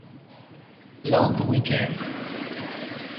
Long Weekend